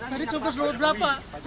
tadi cumpul beberapa